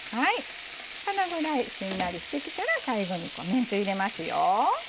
このぐらい、しんなりしてきたら最後に、めんつゆ入れますよ。